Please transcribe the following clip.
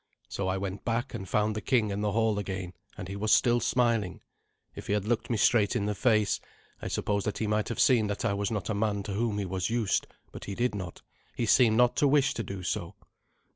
So I went back, and found the king in the hall again, and he was still smiling. If he had looked me straight in the face, I suppose that he might have seen that I was not a man to whom he was used, but he did not. He seemed not to wish to do so.